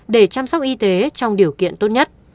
để chăm sóc y tế trong điều kiện tốt nhất